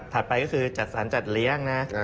ไปก็คือจัดสรรจัดเลี้ยงนะ